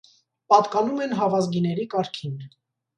Պատկանում են հավազգիների կարգին։